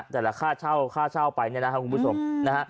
แต่ละค่าเช่าค่าเช่าไปเนี่ยนะครับคุณผู้ชมนะฮะ